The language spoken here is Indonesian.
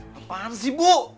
kepan sih ibu